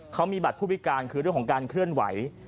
เขามีบัตรผู้พิการคือเรื่องของการเคลื่อนไหว